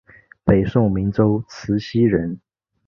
北宋明州慈溪人。